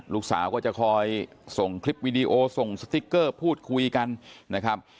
ลูกสาวก็จะคอยส่งคลิปวิดีโอส่งสติ๊กเกอร์พูดคุยกันนะครับ